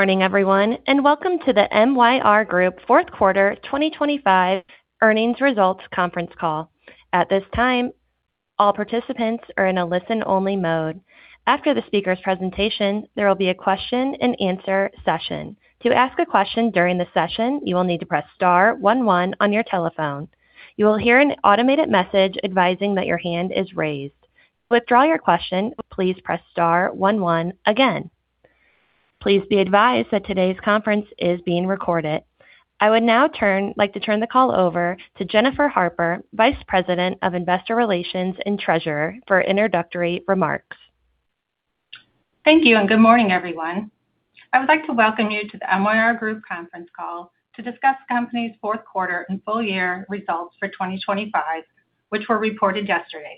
Morning, everyone, and welcome to the MYR Group Fourth Quarter 2025 Earnings Results Conference Call. At this time, all participants are in a listen-only mode. After the speaker's presentation, there will be a question-and-answer session. To ask a question during the session, you will need to press star one one on your telephone. You will hear an automated message advising that your hand is raised. To withdraw your question, please press star 11 again. Please be advised that today's conference is being recorded. I would now like to turn the call over to Jennifer Harper, Vice President, Investor Relations and Treasurer, for introductory remarks. Thank you. Good morning, everyone. I would like to welcome you to the MYR Group conference call to discuss the company's fourth quarter and full year results for 2025, which were reported yesterday.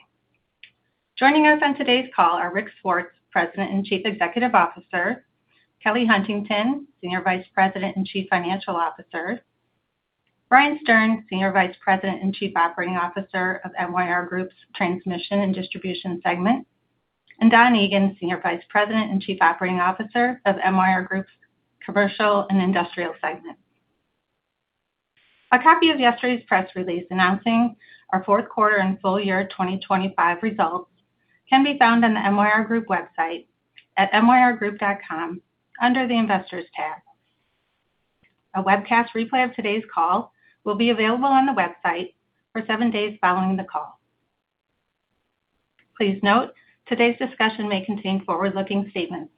Joining us on today's call are Rick Swartz, President and Chief Executive Officer, Kelly Huntington, Senior Vice President and Chief Financial Officer, Brian Stern, Senior Vice President and Chief Operating Officer of MYR Group's Transmission and Distribution segment, and Don Egan, Senior Vice President and Chief Operating Officer of MYR Group's Commercial and Industrial segment. A copy of yesterday's press release announcing our fourth quarter and full year 2025 results can be found on the MYR Group website at myrgroup.com under the Investors tab. A webcast replay of today's call will be available on the website for seven days following the call. Please note, today's discussion may contain forward-looking statements.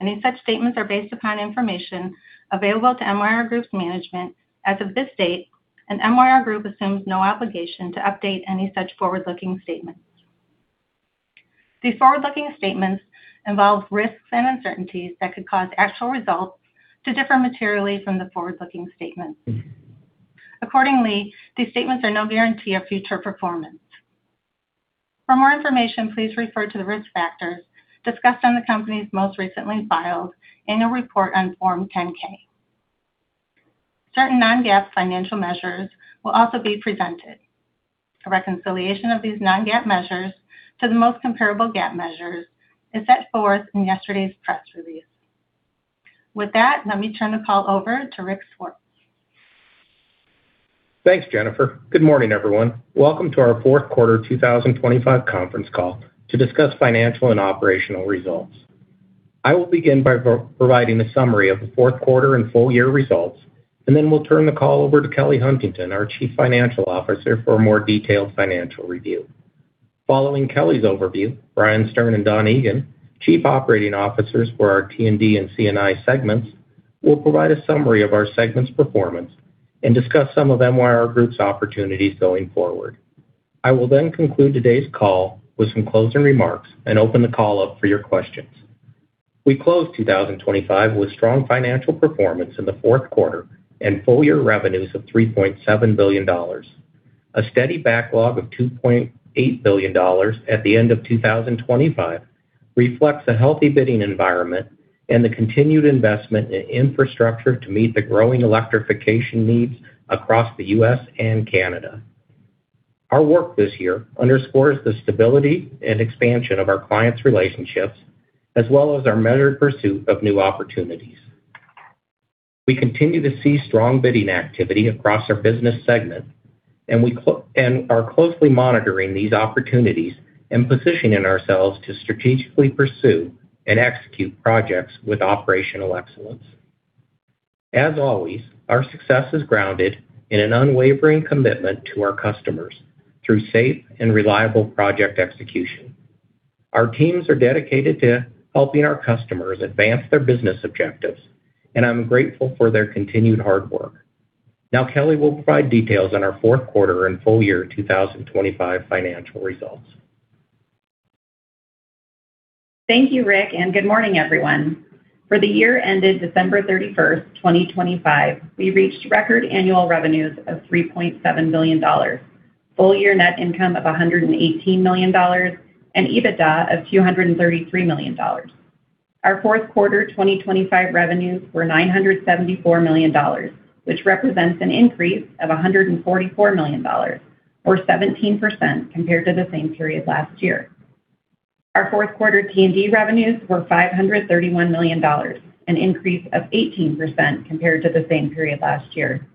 Any such statements are based upon information available to MYR Group's management as of this date, MYR Group assumes no obligation to update any such forward-looking statements. These forward-looking statements involve risks and uncertainties that could cause actual results to differ materially from the forward-looking statements. Accordingly, these statements are no guarantee of future performance. For more information, please refer to the risk factors discussed on the company's most recently filed annual report on Form 10-K. Certain non-GAAP financial measures will also be presented. A reconciliation of these non-GAAP measures to the most comparable GAAP measures is set forth in yesterday's press release. With that, let me turn the call over to Rick Swartz. Thanks, Jennifer. Good morning, everyone. Welcome to our fourth quarter 2025 conference call to discuss financial and operational results. I will begin by providing a summary of the fourth quarter and full year results, we'll turn the call over to Kelly Huntington, our Chief Financial Officer, for a more detailed financial review. Following Kelly's overview, Brian Stern and Don Egan, Chief Operating Officers for our T&D and C&I segments, will provide a summary of our segment's performance and discuss some of MYR Group's opportunities going forward. I will conclude today's call with some closing remarks and open the call up for your questions. We closed 2025 with strong financial performance in the fourth quarter and full-year revenues of $3.7 billion. A steady backlog of $2.8 billion at the end of 2025 reflects a healthy bidding environment and the continued investment in infrastructure to meet the growing electrification needs across the U.S. and Canada. Our work this year underscores the stability and expansion of our clients' relationships, as well as our measured pursuit of new opportunities. We continue to see strong bidding activity across our business segment, and are closely monitoring these opportunities and positioning ourselves to strategically pursue and execute projects with operational excellence. As always, our success is grounded in an unwavering commitment to our customers through safe and reliable project execution. Our teams are dedicated to helping our customers advance their business objectives, and I'm grateful for their continued hard work. Now, Kelly will provide details on our fourth quarter and full year 2025 financial results. Thank you, Rick. Good morning, everyone. For the year ended December 31st, 2025, we reached record annual revenues of $3.7 billion, full year net income of $118 million, and EBITDA of $233 million. Our fourth quarter 2025 revenues were $974 million, which represents an increase of $144 million, or 17% compared to the same period last year. Our fourth quarter T&D revenues were $531 million, an increase of 18% compared to the same period last year.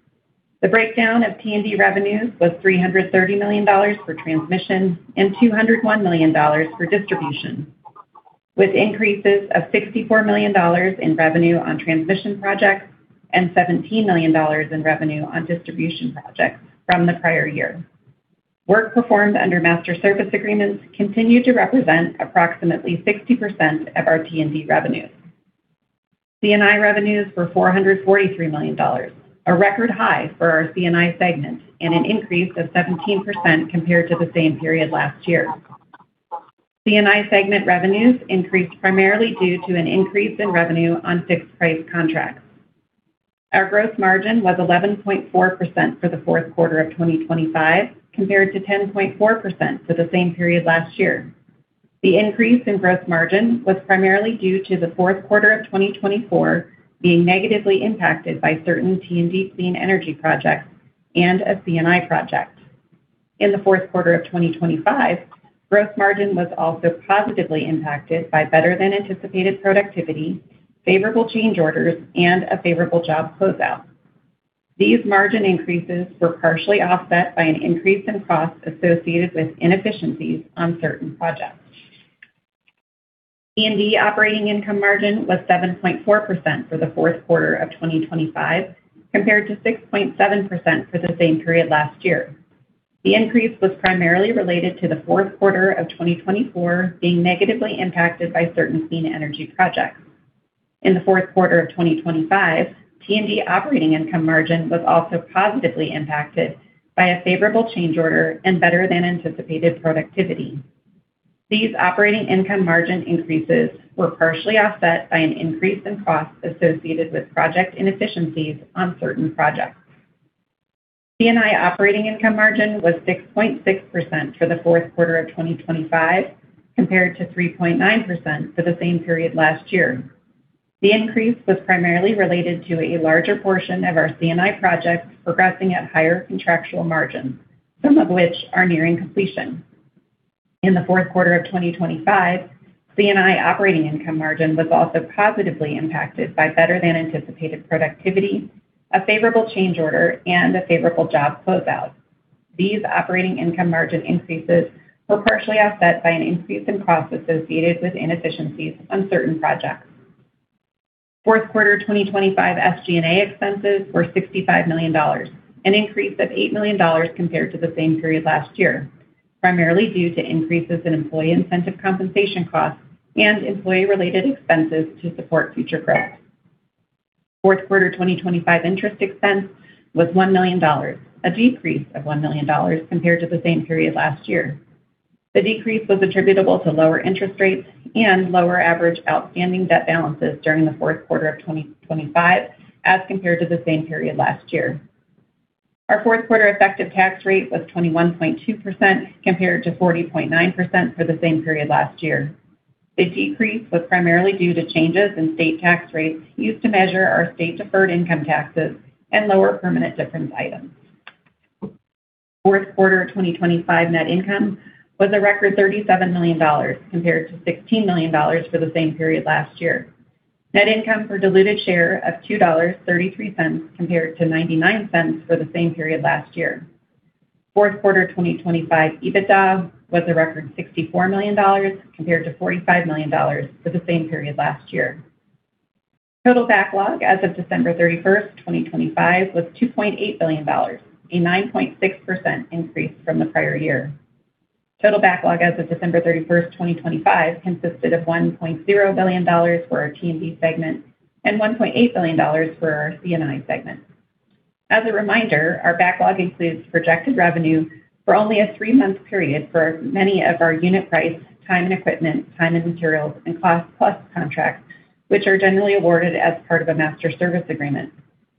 The breakdown of T&D revenues was $330 million for transmission and $201 million for distribution, with increases of $64 million in revenue on transmission projects and $17 million in revenue on distribution projects from the prior year. Work performed under master service agreements continued to represent approximately 60% of our T&D revenues. C&I revenues were $443 million, a record high for our C&I segment and an increase of 17% compared to the same period last year. C&I segment revenues increased primarily due to an increase in revenue on fixed-price contracts. Our gross margin was 11.4% for the fourth quarter of 2025, compared to 10.4% for the same period last year. The increase in gross margin was primarily due to the fourth quarter of 2024 being negatively impacted by certain T&D clean energy projects and a C&I project. In the fourth quarter of 2025, gross margin was also positively impacted by better-than-anticipated productivity, favorable change orders, and a favorable job closeout. These margin increases were partially offset by an increase in costs associated with inefficiencies on certain projects. T&D operating income margin was 7.4% for the fourth quarter of 2025, compared to 6.7% for the same period last year. The increase was primarily related to the fourth quarter of 2024 being negatively impacted by certain clean energy projects. In the fourth quarter of 2025, T&D operating income margin was also positively impacted by a favorable change order and better-than-anticipated productivity. These operating income margin increases were partially offset by an increase in costs associated with project inefficiencies on certain projects. C&I operating income margin was 6.6% for the fourth quarter of 2025, compared to 3.9% for the same period last year. The increase was primarily related to a larger portion of our C&I projects progressing at higher contractual margins, some of which are nearing completion. In the fourth quarter of 2025, C&I operating income margin was also positively impacted by better-than-anticipated productivity, a favorable change order, and a favorable job closeout. These operating income margin increases were partially offset by an increase in costs associated with inefficiencies on certain projects. Fourth quarter 2025 SG&A expenses were $65 million, an increase of $8 million compared to the same period last year, primarily due to increases in employee incentive compensation costs and employee-related expenses to support future growth. Fourth quarter 2025 interest expense was $1 million, a decrease of $1 million compared to the same period last year. The decrease was attributable to lower interest rates and lower average outstanding debt balances during the fourth quarter of 2025 as compared to the same period last year. Our fourth quarter effective tax rate was 21.2%, compared to 40.9% for the same period last year. The decrease was primarily due to changes in state tax rates used to measure our state deferred income taxes and lower permanent difference items. Fourth quarter 2025 net income was a record $37 million, compared to $16 million for the same period last year. Net income per diluted share of $2.33, compared to $0.99 for the same period last year. Fourth quarter 2025 EBITDA was a record $64 million, compared to $45 million for the same period last year. Total backlog as of December 31st, 2025, was $2.8 billion, a 9.6% increase from the prior year. Total backlog as of December 31st, 2025, consisted of $1.0 billion for our T&D segment and $1.8 billion for our C&I segment. As a reminder, our backlog includes projected revenue for only a three-month period for many of our unit-price, time and equipment, time and materials, and cost-plus contracts, which are generally awarded as part of a master service agreement.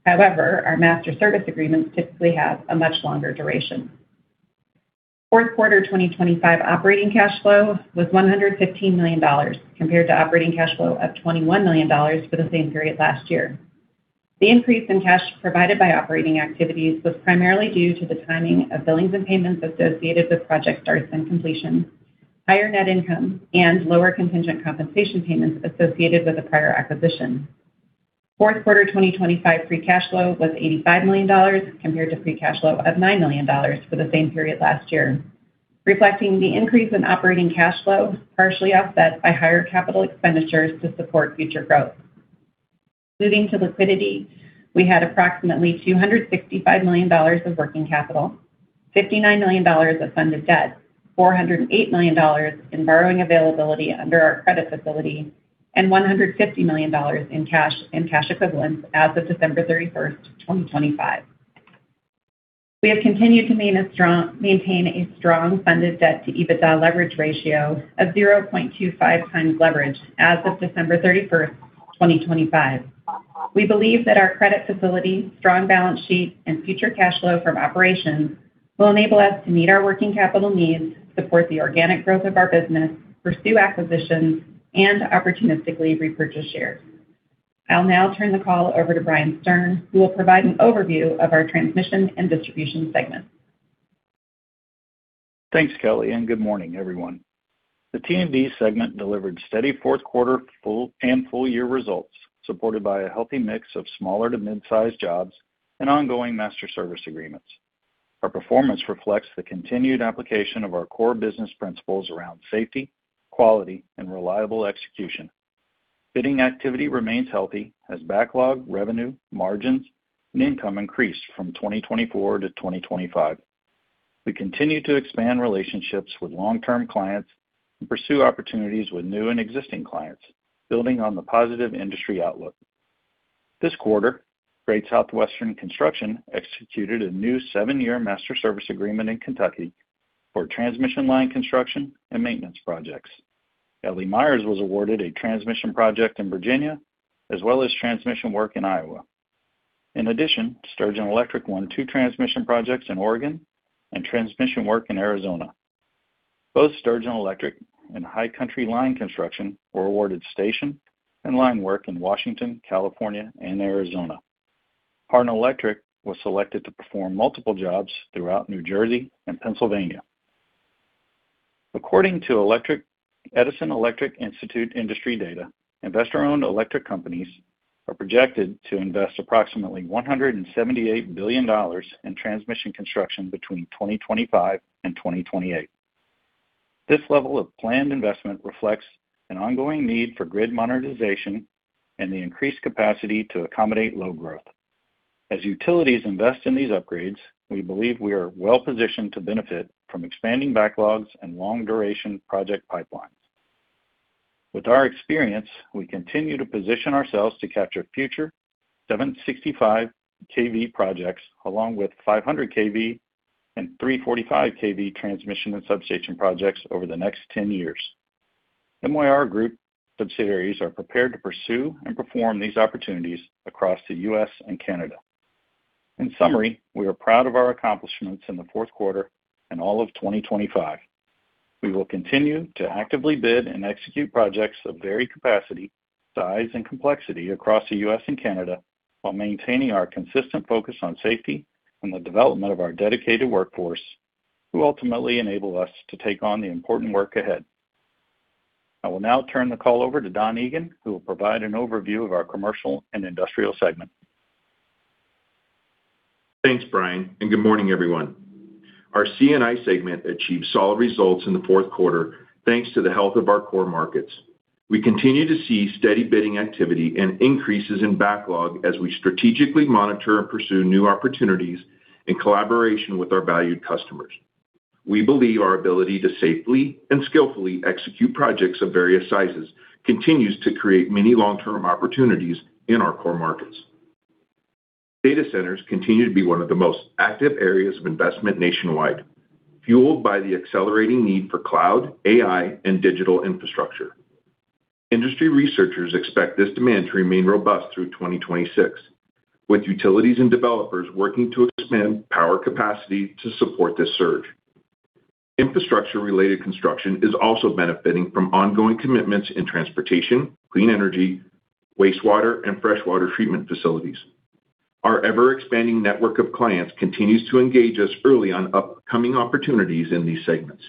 However, our master service agreements typically have a much longer duration. Fourth quarter 2025 operating cash flow was $115 million, compared to operating cash flow of $21 million for the same period last year. The increase in cash provided by operating activities was primarily due to the timing of billings and payments associated with project starts and completion, higher net income, and lower contingent compensation payments associated with a prior acquisition. Fourth quarter 2025 free cash flow was $85 million, compared to free cash flow of $9 million for the same period last year, reflecting the increase in operating cash flow, partially offset by higher capital expenditures to support future growth. Moving to liquidity, we had approximately $265 million of working capital, $59 million of funded debt, $408 million in borrowing availability under our credit facility, and $150 million in cash and cash equivalents as of December 31st, 2025. We have continued to maintain a strong funded debt to EBITDA leverage ratio of 0.25x leverage as of December 31st, 2025. We believe that our credit facility, strong balance sheet, and future cash flow from operations will enable us to meet our working capital needs, support the organic growth of our business, pursue acquisitions, and opportunistically repurchase shares. I'll now turn the call over to Brian Stern, who will provide an overview of our transmission and distribution segment. Thanks, Kelly. Good morning, everyone. The T&D segment delivered steady fourth quarter full and full-year results, supported by a healthy mix of smaller to mid-sized jobs and ongoing master service agreements. Our performance reflects the continued application of our core business principles around safety, quality, and reliable execution. Bidding activity remains healthy as backlog, revenue, margins, and income increased from 2024-2025. We continue to expand relationships with long-term clients and pursue opportunities with new and existing clients, building on the positive industry outlook. This quarter, Great Southwestern Construction executed a new seven-year master service agreement in Kentucky for transmission line construction and maintenance projects. L.E. Myers was awarded a transmission project in Virginia as well as transmission work in Iowa. Sturgeon Electric won two transmission projects in Oregon and transmission work in Arizona. Both Sturgeon Electric and High Country Line Construction were awarded station and line work in Washington, California, and Arizona. Harlan Electric was selected to perform multiple jobs throughout New Jersey and Pennsylvania. According to Edison Electric Institute industry data, investor-owned electric companies are projected to invest approximately $178 billion in transmission construction between 2025 and 2028. This level of planned investment reflects an ongoing need for grid modernization and the increased capacity to accommodate load growth. As utilities invest in these upgrades, we believe we are well-positioned to benefit from expanding backlogs and long-duration project pipelines. With our experience, we continue to position ourselves to capture future 765 kV projects, along with 500 kV and 345 kV transmission and substation projects over the next 10 years. MYR Group subsidiaries are prepared to pursue and perform these opportunities across the U.S. and Canada. In summary, we are proud of our accomplishments in the fourth quarter and all of 2025. We will continue to actively bid and execute projects of varied capacity, size, and complexity across the U.S. and Canada, while maintaining our consistent focus on safety and the development of our dedicated workforce, who ultimately enable us to take on the important work ahead. I will now turn the call over to Don Egan, who will provide an overview of our commercial and industrial segment. Thanks, Brian. Good morning, everyone. Our C&I segment achieved solid results in the fourth quarter, thanks to the health of our core markets. We continue to see steady bidding activity and increases in backlog as we strategically monitor and pursue new opportunities in collaboration with our valued customers. We believe our ability to safely and skillfully execute projects of various sizes continues to create many long-term opportunities in our core markets. Data centers continue to be one of the most active areas of investment nationwide, fueled by the accelerating need for cloud, AI, and digital infrastructure. Industry researchers expect this demand to remain robust through 2026, with utilities and developers working to expand power capacity to support this surge. Infrastructure-related construction is also benefiting from ongoing commitments in transportation, clean energy, wastewater, and freshwater treatment facilities. Our ever-expanding network of clients continues to engage us early on upcoming opportunities in these segments.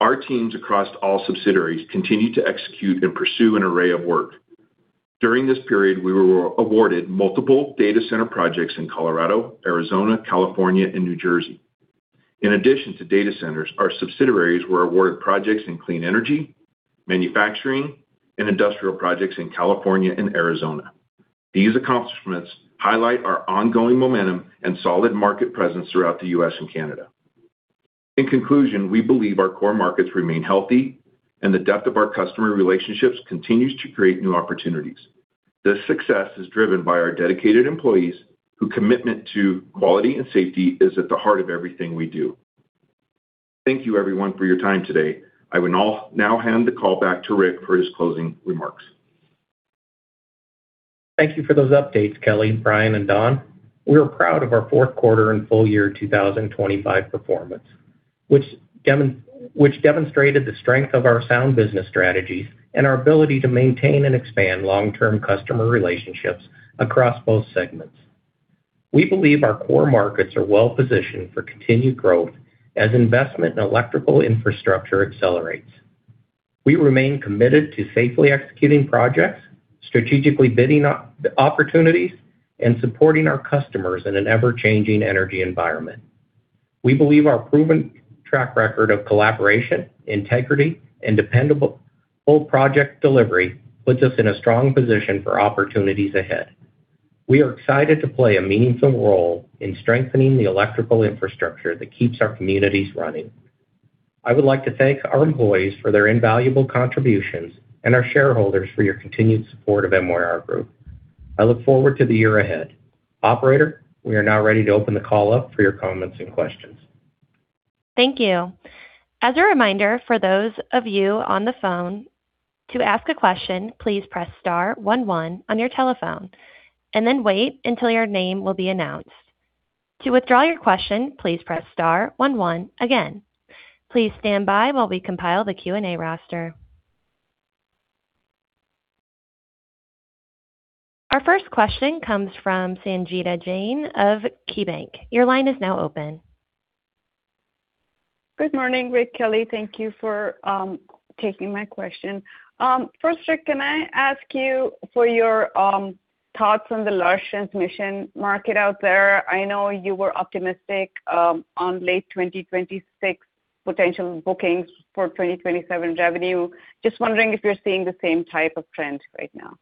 Our teams across all subsidiaries continue to execute and pursue an array of work. During this period, we were awarded multiple data center projects in Colorado, Arizona, California, and New Jersey. In addition to data centers, our subsidiaries were awarded projects in clean energy, manufacturing, and industrial projects in California and Arizona. These accomplishments highlight our ongoing momentum and solid market presence throughout the U.S. and Canada. In conclusion, we believe our core markets remain healthy, and the depth of our customer relationships continues to create new opportunities. This success is driven by our dedicated employees, whose commitment to quality and safety is at the heart of everything we do. Thank you, everyone, for your time today. I will now hand the call back to Rick for his closing remarks. Thank you for those updates, Kelly, Brian, and Don. We are proud of our fourth quarter and full year 2025 performance, which demonstrated the strength of our sound business strategies and our ability to maintain and expand long-term customer relationships across both segments. We believe our core markets are well positioned for continued growth as investment in electrical infrastructure accelerates. We remain committed to safely executing projects, strategically bidding opportunities, and supporting our customers in an ever-changing energy environment. We believe our proven track record of collaboration, integrity, and dependable project delivery puts us in a strong position for opportunities ahead. We are excited to play a meaningful role in strengthening the electrical infrastructure that keeps our communities running. I would like to thank our employees for their invaluable contributions and our shareholders for your continued support of MYR Group. I look forward to the year ahead. Operator, we are now ready to open the call up for your comments and questions. Thank you. As a reminder, for those of you on the phone, to ask a question, please press star one one on your telephone and then wait until your name will be announced. To withdraw your question, please press star one one again. Please stand by while we compile the Q&A roster. Our first question comes from Sangita Jain of KeyBanc. Your line is now open. Good morning, Rick, Kelly. Thank you for taking my question. First, Rick, can I ask you for your thoughts on the large transmission market out there? I know you were optimistic on late 2026 potential bookings for 2027 revenue. Just wondering if you're seeing the same type of trend right now?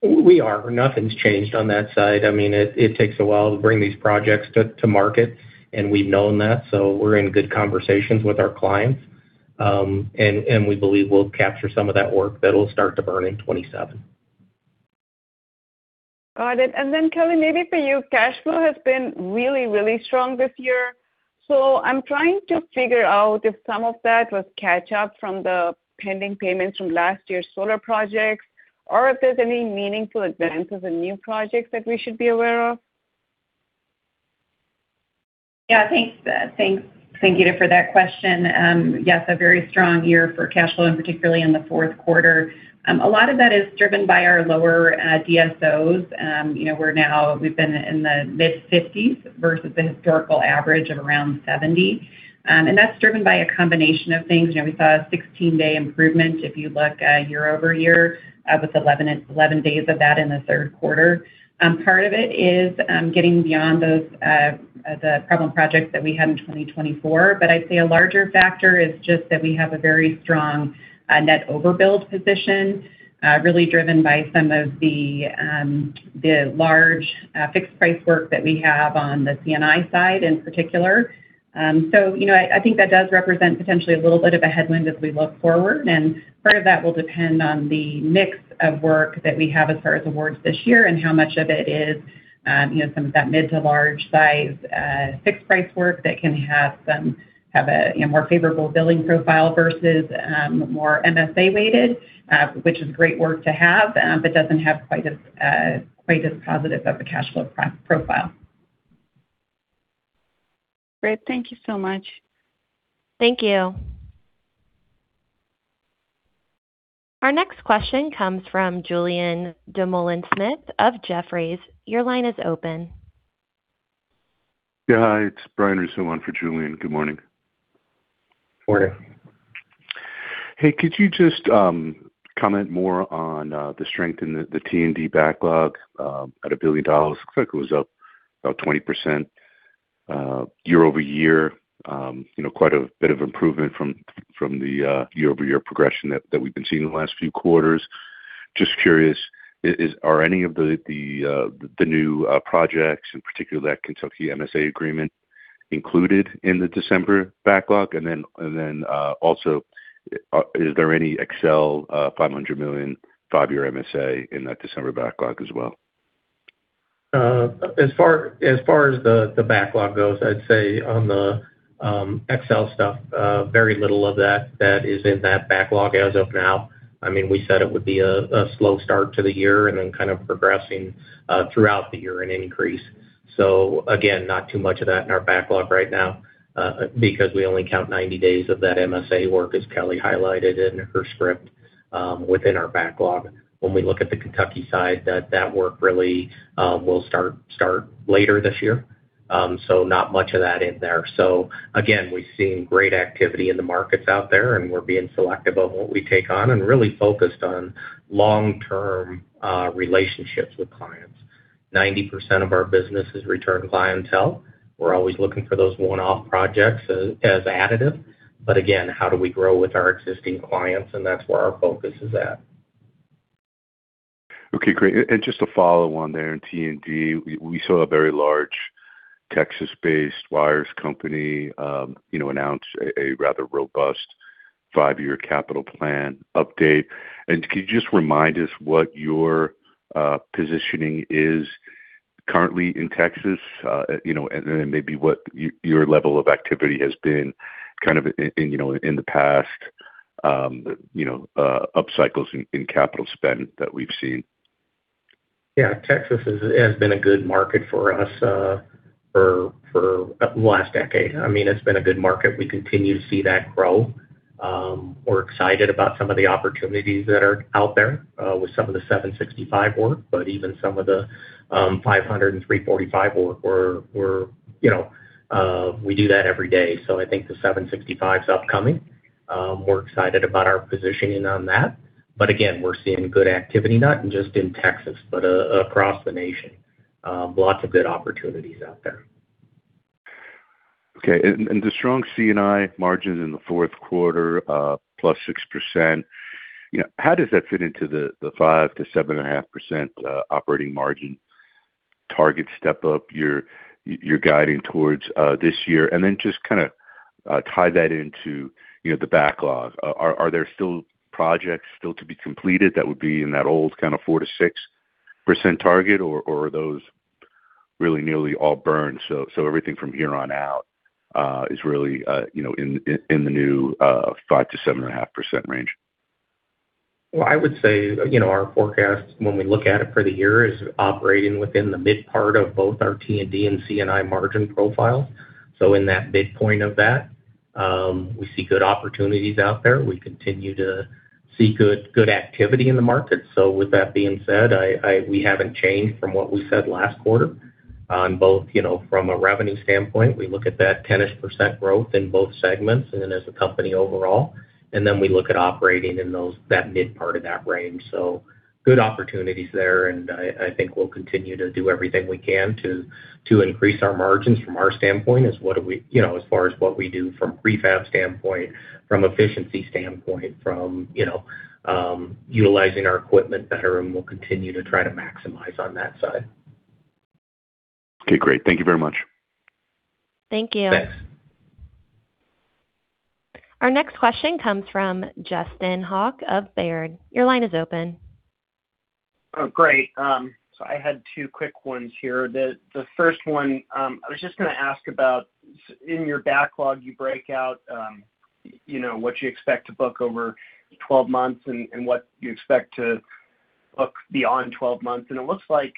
We are. Nothing's changed on that side. I mean, it takes a while to bring these projects to market, and we've known that, so we're in good conversations with our clients. We believe we'll capture some of that work that will start to burn in 2027. Got it. Kelly, maybe for you. Cash flow has been really, really strong this year. I'm trying to figure out if some of that was catch up from the pending payments from last year's solar projects, or if there's any meaningful advances in new projects that we should be aware of? Yeah, thank you for that question. Yes, a very strong year for cash flow, and particularly in the fourth quarter. A lot of that is driven by our lower DSOs. You know, we're now, we've been in the mid-50s versus the historical average of around 70. And that's driven by a combination of things. You know, we saw a 16-day improvement, if you look year-over-year, with 11 days of that in the third quarter. Part of it is getting beyond those problem projects that we had in 2024. I'd say a larger factor is just that we have a very strong net overbuild position, really driven by some of the large fixed-price work that we have on the C&I side in particular. You know, I think that does represent potentially a little bit of a headwind as we look forward, and part of that will depend on the mix of work that we have as far as awards this year and how much of it is, you know, some of that mid to large size, fixed-price work that can have a, you know, more favorable billing profile versus, more MSA weighted. Which is great work to have, but doesn't have quite as, quite as positive of a cash flow profile. Great. Thank you so much. Thank you. Our next question comes from Julien Dumoulin-Smith of Jefferies. Your line is open. Yeah, hi, it's Brian Russo on for Julian. Good morning. Morning. Hey, could you just comment more on the strength in the T&D backlog? At $1 billion, looks like it was up about 20% year-over-year. You know, quite a bit of improvement from the year-over-year progression that we've been seeing in the last few quarters. Just curious, are any of the new projects, in particular that Kentucky MSA agreement, included in the December backlog? Also, is there any Xcel Energy $500 million, five-year MSA in that December backlog as well? As far as the backlog goes, I'd say on the Xcel stuff, very little of that is in that backlog as of now. I mean, we said it would be a slow start to the year and then kind of progressing throughout the year, an increase. Not too much of that in our backlog right now because we only count 90 days of that MSA work, as Kelly highlighted in her script, within our backlog. When we look at the Kentucky side, that work really will start later this year. Not much of that in there. We've seen great activity in the markets out there, and we're being selective of what we take on and really focused on long-term relationships with clients. 90% of our business is return clientele. We're always looking for those one-off projects as additive. Again, how do we grow with our existing clients? That's where our focus is at. Just to follow on there, in T&D, we saw a very large Texas-based wires company, you know, announce a rather robust five-year capital plan update. Could you just remind us what your positioning is currently in Texas? You know, then maybe what your level of activity has been kind of in, you know, in the past, you know, upcycles in capital spend that we've seen. Yeah, Texas has been a good market for us for the last decade. I mean, it's been a good market. We continue to see that grow. We're excited about some of the opportunities that are out there with some of the 765 kV work, but even some of the 500 kV and 345 kV work, we're, you know, we do that every day. I think the 765 kV's upcoming. We're excited about our positioning on that. Again, we're seeing good activity, not just in Texas, but across the nation. Lots of good opportunities out there. Okay. And the strong C&I margins in the fourth quarter, +6%, you know, how does that fit into the 5%-7.5% operating margin target step up you're guiding towards this year? Then just kinda tie that into, you know, the backlog. Are there still projects still to be completed that would be in that old kind of 4%-6% target, or are those really nearly all burned, so everything from here on out is really, you know, in the new 5%-7.5% range? I would say, you know, our forecast, when we look at it for the year, is operating within the mid part of both our T&D and C&I margin profile. In that mid point of that, we see good opportunities out there. We continue to see good activity in the market. With that being said, we haven't changed from what we said last quarter on both, you know, from a revenue standpoint, we look at that 10%-ish growth in both segments and then as a company overall, and then we look at operating in those, that mid part of that range. Good opportunities there, and I think we'll continue to do everything we can to increase our margins from our standpoint, as you know, as far as what we do from a prefab standpoint, from efficiency standpoint, from, you know, utilizing our equipment better, and we'll continue to try to maximize on that side. Okay, great. Thank you very much. Thank you. Thanks. Our next question comes from Justin Hauke of Baird. Your line is open. Great. I had two quick ones here. The first one, I was just gonna ask about in your backlog, you break out, you know, what you expect to book over 12 months and what you expect to look beyond 12 months, and it looks like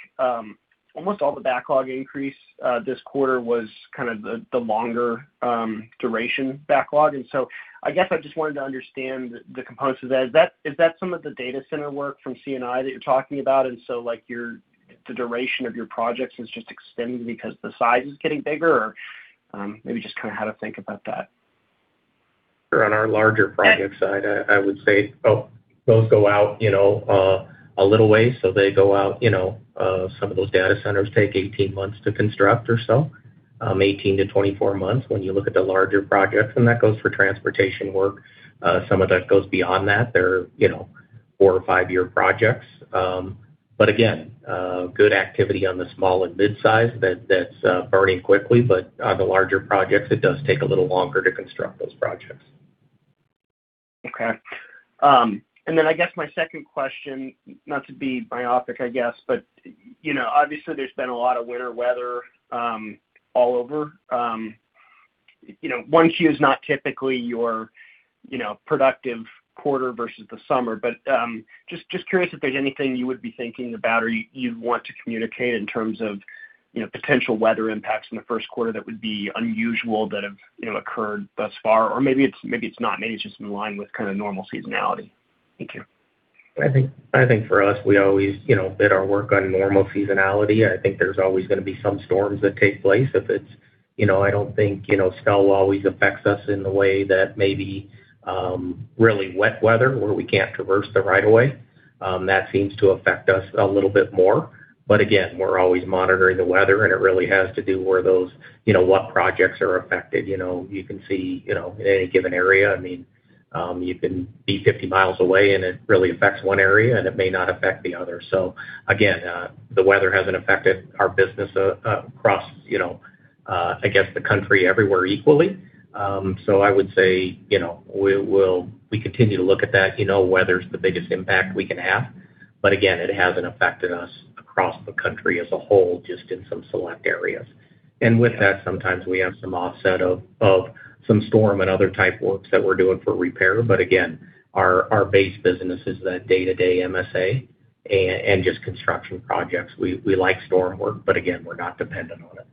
almost all the backlog increase this quarter was kind of the longer duration backlog. I guess I just wanted to understand the components of that. Is that some of the data center work from C&I that you're talking about? Like, the duration of your projects is just extending because the size is getting bigger? Maybe just kind of how to think about that. Sure. On our larger project side, I would say, those go out, you know, a little way. They go out, you know, some of those data centers take 18 months to construct or so, 18-24 months when you look at the larger projects, and that goes for transportation work. Some of that goes beyond that. They're, you know, 4- or 5-year projects. Again, good activity on the small and mid-size that's burning quickly. The larger projects, it does take a little longer to construct those projects. Okay. I guess my second question, not to be myopic, I guess, but, you know, obviously there's been a lot of winter weather, all over. You know, 1Q is not typically your, you know, productive quarter versus the summer, but, just curious if there's anything you would be thinking about or you'd want to communicate in terms of, you know, potential weather impacts in the first quarter that would be unusual that have, you know, occurred thus far? Maybe it's not, maybe it's just in line with kind of normal seasonality. Thank you. I think for us, we always, you know, bid our work on normal seasonality. I think there's always gonna be some storms that take place. If it's, you know, I don't think, you know, snow always affects us in the way that maybe, really wet weather, where we can't traverse the right-of-way. That seems to affect us a little bit more. Again, we're always monitoring the weather, and it really has to do where those, you know, what projects are affected. You know, you can see, you know, in any given area, I mean, you can be 50 mi away, and it really affects one area, and it may not affect the other. Again, the weather hasn't affected our business across, you know, I guess, the country everywhere equally. I would say, you know, we continue to look at that. You know, weather's the biggest impact we can have, but again, it hasn't affected us across the country as a whole, just in some select areas. With that, sometimes we have some offset of some storm and other type works that we're doing for repair. Again, our base business is that day-to-day MSA and just construction projects. We like storm work, but again, we're not dependent on it.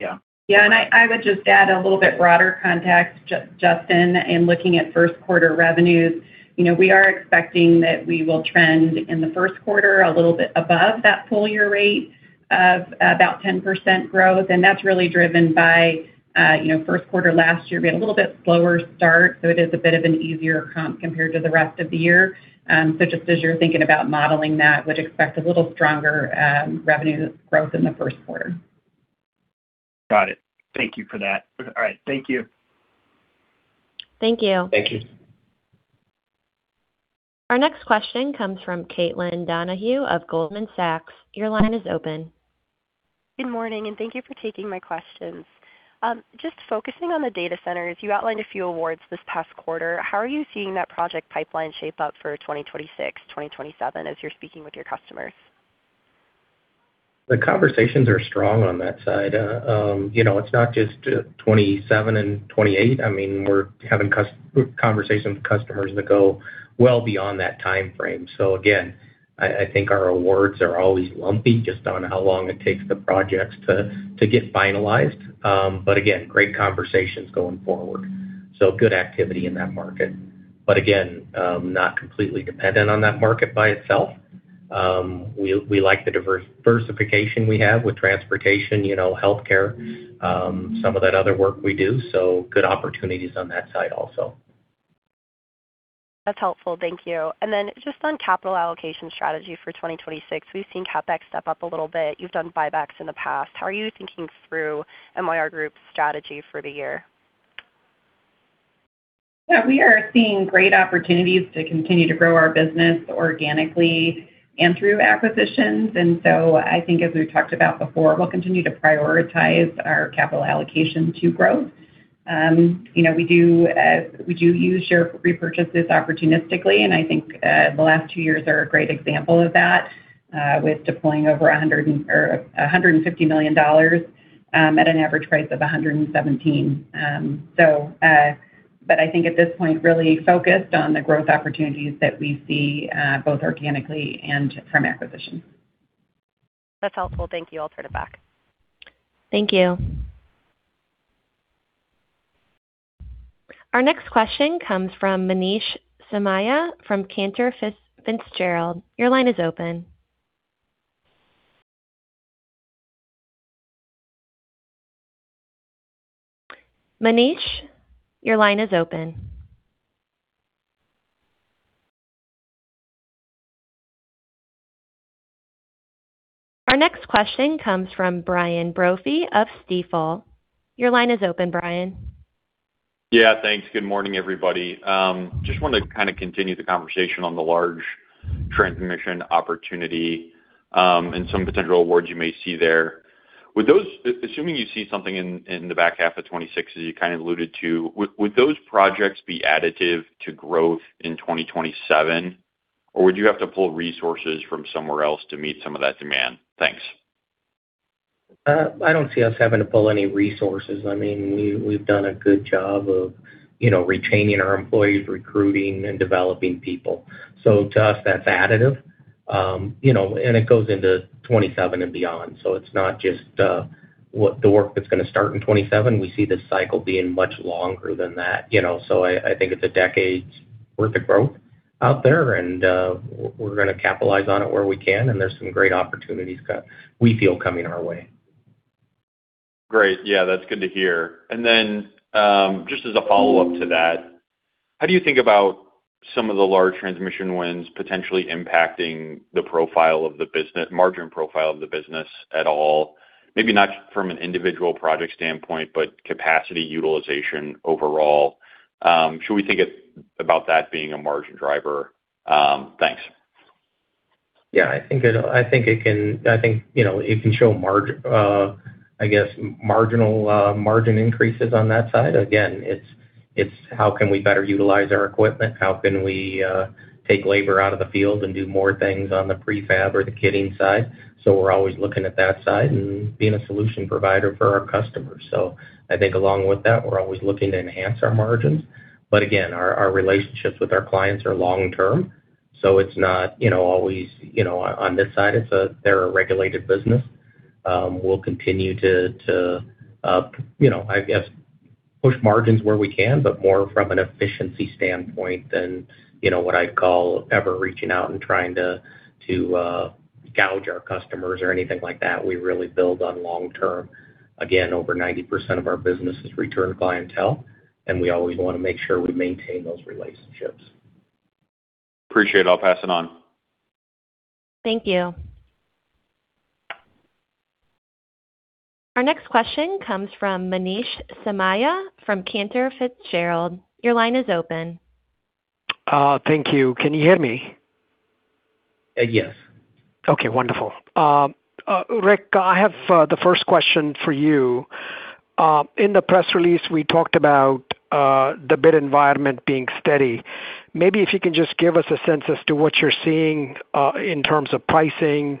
Yeah. Yeah, I would just add a little bit broader context, Justin, in looking at first quarter revenues. You know, we are expecting that we will trend in the first quarter a little bit above that full year rate of about 10% growth. That's really driven by, you know, first quarter last year, we had a little bit slower start, so it is a bit of an easier comp compared to the rest of the year. Just as you're thinking about modeling that, would expect a little stronger revenue growth in the first quarter. Got it. Thank you for that. All right, thank you. Thank you. Thank you. Our next question comes from Caitlin Donohue of Goldman Sachs. Your line is open. Good morning, thank you for taking my questions. Just focusing on the data centers, you outlined a few awards this past quarter. How are you seeing that project pipeline shape up for 2026, 2027, as you're speaking with your customers? The conversations are strong on that side. you know, it's not just 2027 and 2028. I mean, we're having conversations with customers that go well beyond that timeframe. Again, I think our awards are always lumpy, just on how long it takes the projects to get finalized. Again, great conversations going forward. Good activity in that market. Again, not completely dependent on that market by itself. We like the diversification we have with transportation, you know, healthcare, some of that other work we do, good opportunities on that side also. That's helpful. Thank you. Then just on capital allocation strategy for 2026, we've seen CapEx step up a little bit. You've done buybacks in the past. How are you thinking through MYR Group's strategy for the year? Yeah, we are seeing great opportunities to continue to grow our business organically and through acquisitions. I think as we've talked about before, we'll continue to prioritize our capital allocation to growth. You know, we do, we do use share repurchases opportunistically, and I think the last two years are a great example of that, with deploying over $150 million, at an average price of $117. I think at this point, really focused on the growth opportunities that we see, both organically and from acquisitions. That's helpful. Thank you. I'll turn it back. Thank you. Our next question comes from Manish Somaiya from Cantor Fitzgerald. Your line is open. Manish, your line is open. Our next question comes from Brian Brophy of Stifel. Your line is open, Brian. Yeah, thanks. Good morning, everybody. Just wanted to kind of continue the conversation on the large transmission opportunity, and some potential awards you may see there. Assuming you see something in the back half of 2026, as you kind of alluded to, would those projects be additive to growth in 2027, or would you have to pull resources from somewhere else to meet some of that demand? Thanks. I don't see us having to pull any resources. I mean, we've done a good job of, you know, retaining our employees, recruiting, and developing people. To us, that's additive. You know, it goes into 2027 and beyond. It's not just the work that's gonna start in 2027, we see this cycle being much longer than that, you know. I think it's a decade worth of growth out there, and we're gonna capitalize on it where we can, and there's some great opportunities we feel coming our way. Great. Yeah, that's good to hear. Just as a follow-up to that, how do you think about some of the large transmission wins potentially impacting the margin profile of the business at all? Maybe not from an individual project standpoint, but capacity utilization overall. Should we think about that being a margin driver? Thanks. Yeah, I think it can, I think, you know, it can show I guess, marginal margin increases on that side. Again, it's how can we better utilize our equipment? How can we take labor out of the field and do more things on the prefab or the kitting side? We're always looking at that side and being a solution provider for our customers. I think along with that, we're always looking to enhance our margins. Again, our relationships with our clients are long term, so it's not, you know, always, you know, on this side, they're a regulated business. We'll continue to, you know, I guess, push margins where we can, but more from an efficiency standpoint than, you know, what I'd call ever reaching out and trying to gouge our customers or anything like that. We really build on long term. Again, over 90% of our business is return clientele, and we always wanna make sure we maintain those relationships. Appreciate it. I'll pass it on. Thank you. Our next question comes from Manish Somaiya from Cantor Fitzgerald. Your line is open. Thank you. Can you hear me? Yes. Okay, wonderful. Rick, I have the first question for you. In the press release, we talked about the bid environment being steady. Maybe if you can just give us a sense as to what you're seeing in terms of pricing,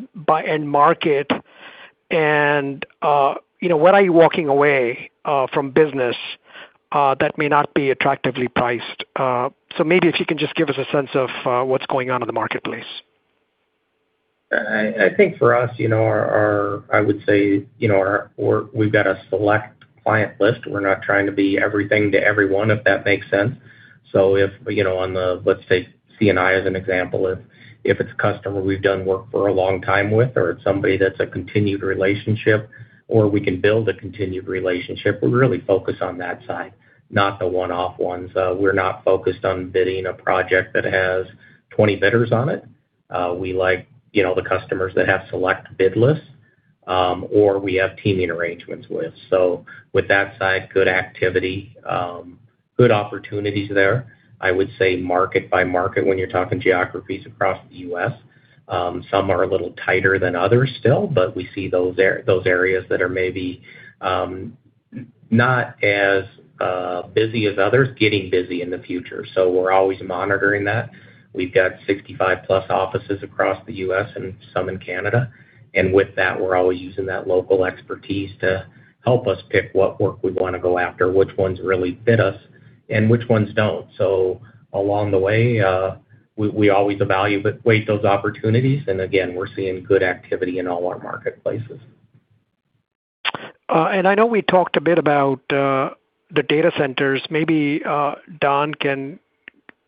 by geography, by end market, and, you know, when are you walking away from business that may not be attractively priced? Maybe if you can just give us a sense of what's going on in the marketplace. I think for us, you know, our, I would say, you know, our, we've got a select client list. We're not trying to be everything to everyone, if that makes sense. If, you know, on the, let's say, C&I as an example, if it's a customer we've done work for a long time with or it's somebody that's a continued relationship, or we can build a continued relationship, we're really focused on that side, not the one-off ones. We're not focused on bidding a project that has 20 bidders on it. We like, you know, the customers that have select bid lists, or we have teaming arrangements with. With that side, good activity, good opportunities there. I would say market by market, when you're talking geographies across the U.S., some are a little tighter than others still, but we see those areas that are maybe not as busy as others, getting busy in the future. We're always monitoring that. We've got 65+ offices across the U.S. and some in Canada. With that, we're always using that local expertise to help us pick what work we wanna go after, which ones really fit us and which ones don't. Along the way, we always evaluate those opportunities, and again, we're seeing good activity in all our marketplaces. I know we talked a bit about the data centers. Maybe Don can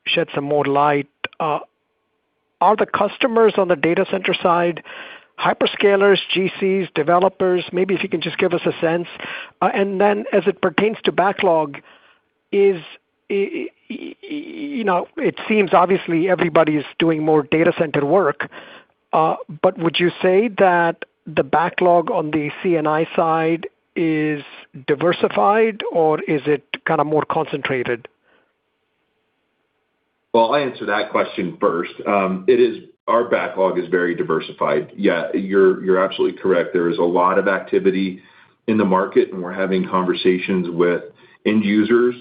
shed some more light. Are the customers on the data center side, hyperscalers, GCs, developers? Maybe if you can just give us a sense. As it pertains to backlog, is, you know, it seems obviously everybody's doing more data center work, would you say that the backlog on the C&I side is diversified, or is it kind of more concentrated? Well, I'll answer that question first. Our backlog is very diversified. Yeah, you're absolutely correct. There is a lot of activity in the market, and we're having conversations with end users,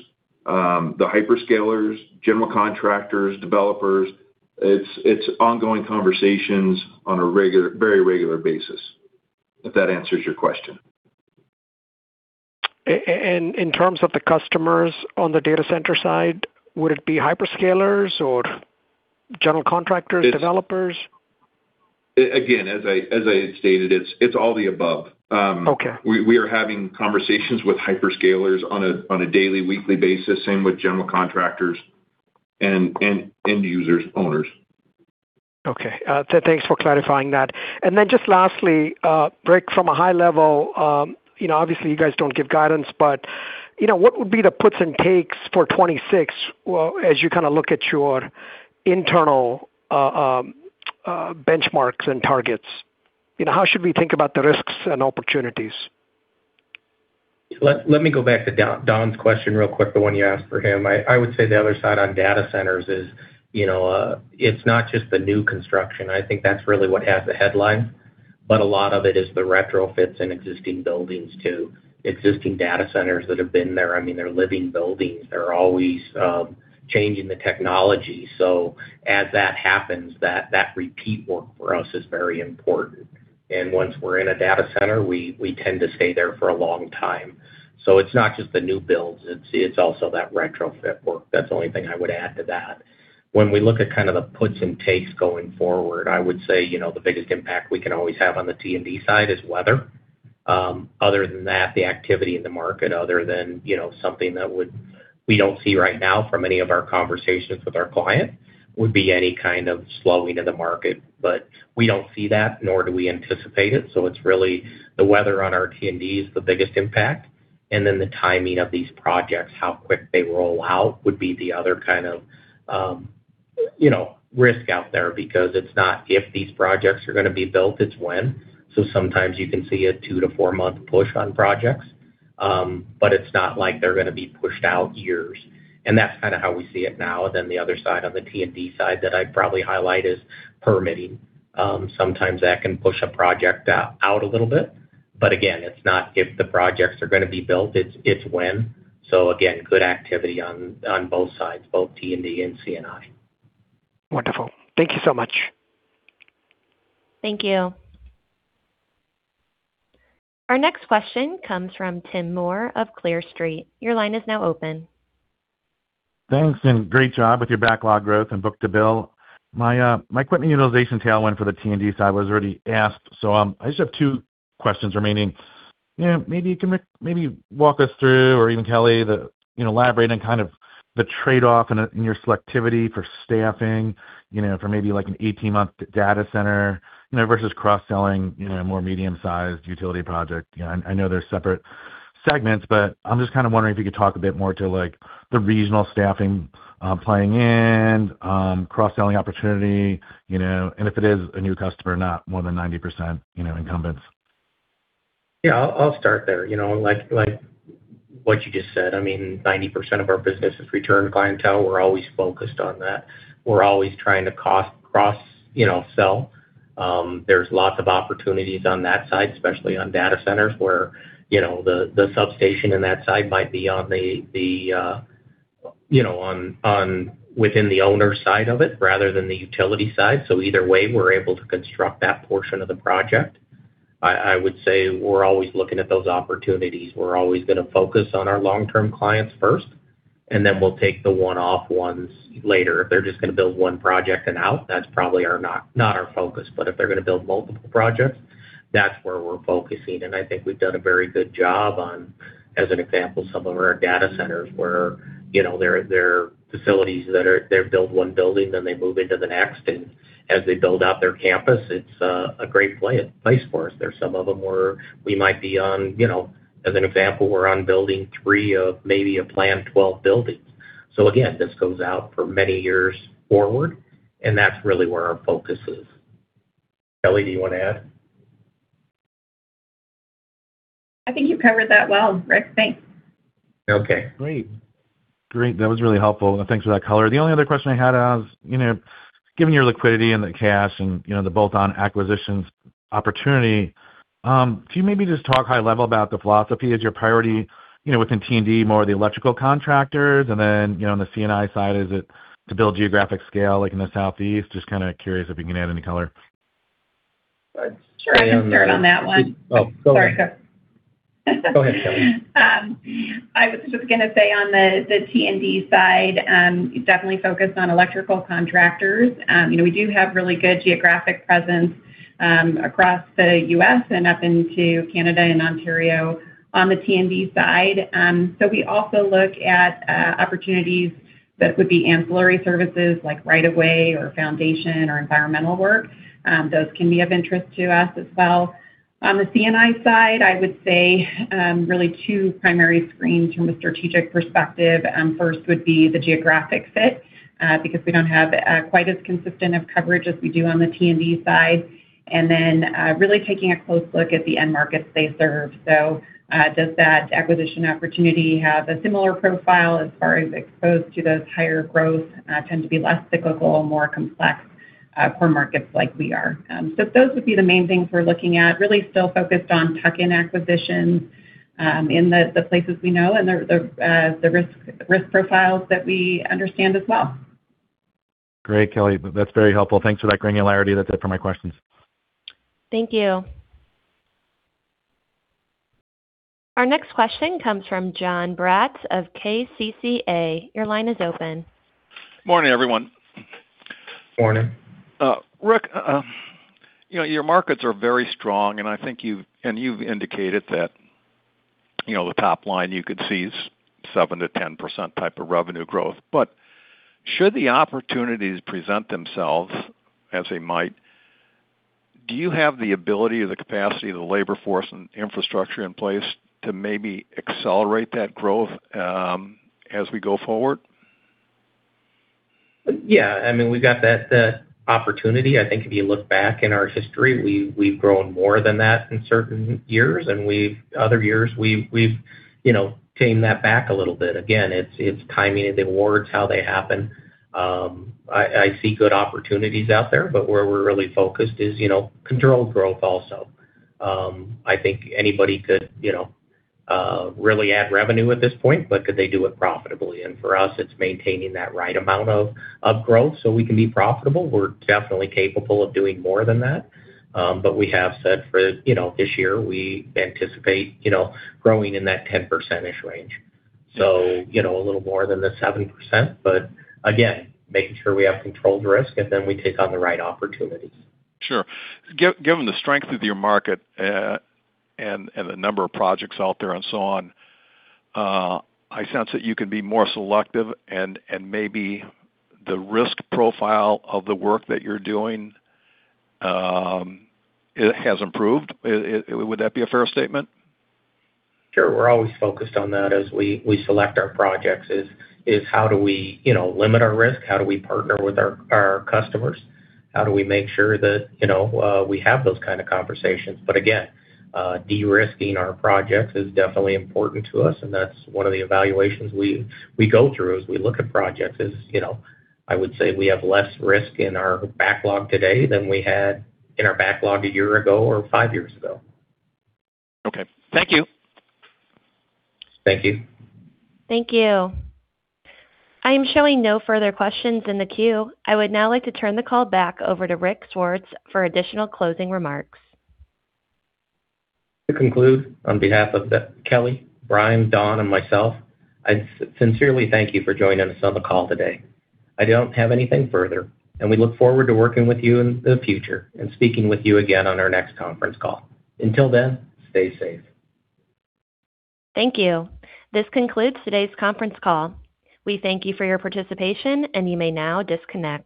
the hyperscalers, general contractors, developers. It's ongoing conversations on a regular, very regular basis, if that answers your question. In terms of the customers on the data center side, would it be hyperscalers or general contractors, developers? Again, as I stated, it's all the above. Okay. We are having conversations with hyperscalers on a daily, weekly basis, same with general contractors and end users, owners. Thanks for clarifying that. Just lastly, Rick, from a high level, you know, obviously, you guys don't give guidance, but, you know, what would be the puts and takes for 2026, well, as you kind of look at your internal benchmarks and targets? You know, how should we think about the risks and opportunities? Let me go back to Don's question real quick, the one you asked for him. I would say the other side on data centers is, you know, it's not just the new construction. I think that's really what has the headline. A lot of it is the retrofits in existing buildings to existing data centers that have been there. I mean, they're living buildings. They're always changing the technology. As that happens, that repeat work for us is very important. Once we're in a data center, we tend to stay there for a long time. It's not just the new builds, it's also that retrofit work. That's the only thing I would add to that. When we look at kind of the puts and takes going forward, I would say, you know, the biggest impact we can always have on the T&D side is weather. Other than that, the activity in the market, other than, you know, something that we don't see right now from any of our conversations with our client, would be any kind of slowing of the market. We don't see that, nor do we anticipate it, so it's really the weather on our T&D is the biggest impact, and then the timing of these projects, how quick they roll out, would be the other kind of, you know, risk out there. Because it's not if these projects are gonna be built, it's when. Sometimes you can see a 2-4 month push on projects, but it's not like they're gonna be pushed out years. That's kind of how we see it now. The other side, on the T&D side, that I'd probably highlight is permitting. Sometimes that can push a project out a little bit. Again, it's not if the projects are gonna be built, it's when. Again, good activity on both sides, both T&D and C&I. Wonderful. Thank you so much. Thank you. Our next question comes from Tim Moore of Clear Street. Your line is now open. Thanks. Great job with your backlog growth and book-to-bill. My equipment utilization tailwind for the T&D side was already asked, so, I just have two questions remaining. Yeah, maybe you can maybe walk us through, or even Kelly, the, you know, elaborate on kind of the trade-off in your selectivity for staffing, you know, for maybe, like, an 18-month data center, you know, versus cross-selling, you know, a more medium-sized utility project. You know, I know they're separate segments, but I'm just kind of wondering if you could talk a bit more to, like, the regional staffing, playing in, cross-selling opportunity, you know, and if it is a new customer, not more than 90%, you know, incumbents. Yeah, I'll start there. You know, like what you just said, I mean, 90% of our business is return clientele. We're always focused on that. We're always trying to cost cross, you know, sell. There's lots of opportunities on that side, especially on data centers, where, you know, the substation on that side might be on the, you know, within the owner's side of it rather than the utility side. Either way, we're able to construct that portion of the project. I would say we're always looking at those opportunities. We're always gonna focus on our long-term clients first, and then we'll take the one-off ones later. If they're just gonna build one project and out, that's probably not our focus. If they're gonna build multiple projects, that's where we're focusing, and I think we've done a very good job on, as an example, some of our data centers where, you know, there are facilities that are, they build 1 building, then they move into the next. As they build out their campus, it's a great place for us. There are some of them where we might be on, you know. As an example, we're on building three of maybe a planned 12 buildings. Again, this goes out for many years forward, and that's really where our focus is. Kelly, do you want to add? I think you covered that well, Rick. Thanks. Okay. Great. Great, that was really helpful. Thanks for that color. The only other question I had is, you know, given your liquidity and the cash and, you know, the bolt-on acquisitions opportunity, can you maybe just talk high level about the philosophy? Is your priority, you know, within T&D, more the electrical contractors, and then, you know, on the C&I side, is it to build geographic scale, like in the Southeast? Just kind of curious if you can add any color. Sure, I can start on that one. Oh, go ahead. Sorry, go. Go ahead, Kelly. I was just gonna say, on the T&D side, definitely focused on electrical contractors. You know, we do have really good geographic presence across the U.S. and up into Canada and Ontario on the T&D side. We also look at opportunities that would be ancillary services, like right-of-way or foundation or environmental work. Those can be of interest to us as well. On the C&I side, I would say, really two primary screens from a strategic perspective. First would be the geographic fit, because we don't have quite as consistent of coverage as we do on the T&D side. Really taking a close look at the end markets they serve. Does that acquisition opportunity have a similar profile as far as exposed to those higher growth, tend to be less cyclical, more complex, core markets like we are? Those would be the main things we're looking at. Really still focused on tuck-in acquisitions, in the places we know and the risk profiles that we understand as well. Great, Kelly. That's very helpful. Thanks for that granularity. That's it for my questions. Thank you. Our next question comes from Jon Braatz of KCCA. Your line is open. Morning, everyone. Morning. Rick, you know, your markets are very strong. I think you've indicated that, you know, the top line you could see is 7%-10% type of revenue growth. Should the opportunities present themselves, as they might, do you have the ability or the capacity of the labor force and infrastructure in place to maybe accelerate that growth as we go forward? Yeah, I mean, we've got that opportunity. I think if you look back in our history, we've grown more than that in certain years, and we've other years, we've, you know, tame that back a little bit. Again, it's timing of the awards, how they happen. I see good opportunities out there, but where we're really focused is, you know, controlled growth also. I think anybody could, you know, really add revenue at this point, but could they do it profitably? For us, it's maintaining that right amount of growth so we can be profitable. We're definitely capable of doing more than that. We have said for, you know, this year, we anticipate, you know, growing in that 10% range. You know, a little more than the 7%, but again, making sure we have controlled risk, and then we take on the right opportunities. Sure. Given the strength of your market, and the number of projects out there and so on, I sense that you can be more selective and maybe the risk profile of the work that you're doing, it has improved. Would that be a fair statement? Sure. We're always focused on that as we select our projects, is how do we, you know, limit our risk? How do we partner with our customers? How do we make sure that, you know, we have those kind of conversations? Again, de-risking our projects is definitely important to us, and that's one of the evaluations we go through as we look at projects is, you know, I would say we have less risk in our backlog today than we had in our backlog a year ago or 5 years ago. Okay. Thank you. Thank you. Thank you. I am showing no further questions in the queue. I would now like to turn the call back over to Rick Swartz for additional closing remarks. To conclude, on behalf of Kelly, Brian, Don, and myself, I sincerely thank you for joining us on the call today. I don't have anything further. We look forward to working with you in the future and speaking with you again on our next conference call. Until then, stay safe. Thank you. This concludes today's conference call. We thank you for your participation. You may now disconnect.